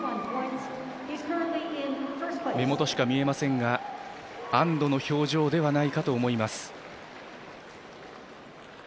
目元しか見えませんが安どの表情ではないかと思います。